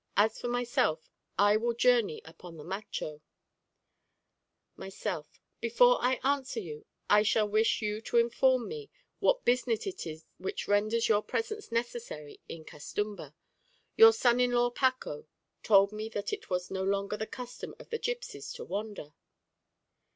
As for myself, I will journey upon the macho. Myself Before I answer you, I shall wish you to inform me what business it is which renders your presence necessary in Castumba: your son in law Paco told me that it was no longer the custom of the gipsies to wander.